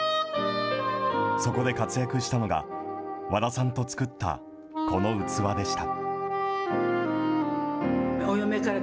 そこで活躍したのが、和田さんと作ったこの器でした。